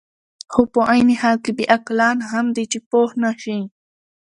خو په عین حال کې بې عقلان هم دي، چې پوه نه شي.